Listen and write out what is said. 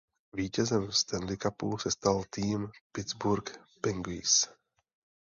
Vítězem Stanley Cupu se stal tým Pittsburgh Penguins.